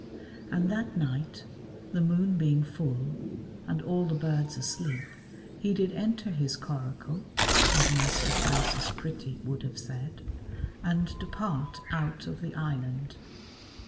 And that night, the moon being full, and all the birds asleep, he did enter his coracle (as Master Francis Pretty would have said) and depart out of the island.